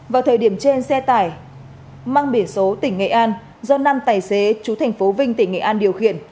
vào thời điểm trên xe tải mang biển số tỉnh nghệ an do năm tài xế chú thành phố vinh tỉnh nghệ an điều khiển